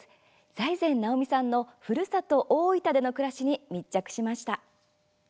財前直見さんのふるさと大分での暮らしに密着しました。